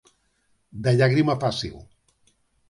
De llàgrima fàcil.